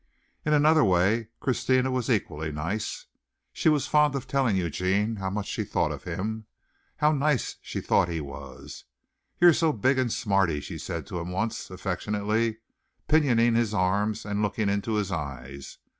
In another way Christina was equally nice. She was fond of telling Eugene how much she thought of him, how nice she thought he was. "You're so big and smarty," she said to him once, affectionately, pinioning his arms and looking into his eyes.